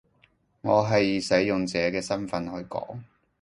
我係以使用者嘅身分去講